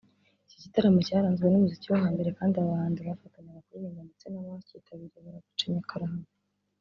Iki gitaramo cyaranzwe n’umuziki wo hambere kandi aba bahanzi bafatanyaga kuririmba ndetse n’abakitabiriye baragacinya karahava